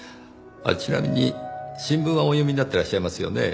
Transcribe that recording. ちなみに新聞はお読みになってらっしゃいますよね？